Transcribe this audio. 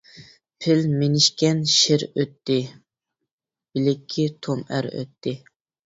پىل مىنىشكەن شىر ئۆتتى، بىلىكى توم ئەر ئۆتتى.